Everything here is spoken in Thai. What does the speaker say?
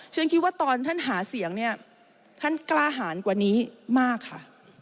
ฉันคิดว่าตอนท่านหาเสียงเนี่ยท่านกล้าหารกว่านี้มากค่ะ